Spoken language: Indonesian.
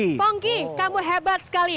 pongki kamu hebat sekali